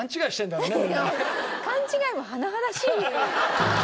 勘違いも甚だしい。